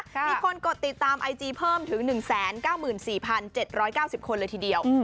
มีคนกดติดตามไอจีเพิ่มถึง๑๙๔๗๙๐คนเลยทีเดียว